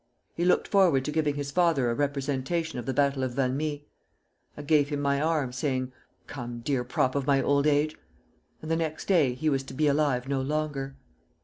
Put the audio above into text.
He looked forward to giving his father a representation of the battle of Valmy. I gave him my arm, saying: 'Come, dear prop of my old age!' And the next day he was to be alive no longer!